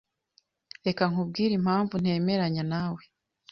Reka nkubwire impamvu ntemeranya nawe.